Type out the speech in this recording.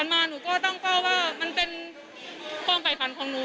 ก่อนมาหนูก็ต้องเฝ้าว่ามันเป็นป้องไก่ฝันของหนู